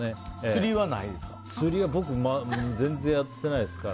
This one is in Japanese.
釣りはないですか？